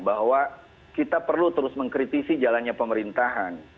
bahwa kita perlu terus mengkritisi jalannya pemerintahan